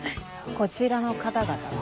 こちらの方々は？